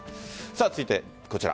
続いてこちら。